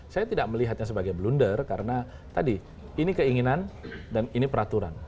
saya tidak melihatnya sebagai blunder karena tadi ini keinginan dan ini peraturan